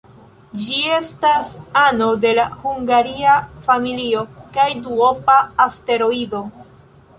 Ĝi estas ano de la Hungaria familio kaj duopa asteroido.